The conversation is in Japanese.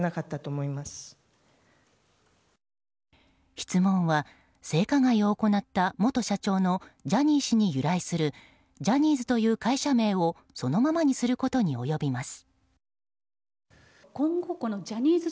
質問は性加害を行った元社長のジャニー氏に由来するジャニーズという会社名をそのままにすることに及びます。